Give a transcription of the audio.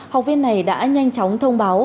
học viên này đã nhanh chóng thông báo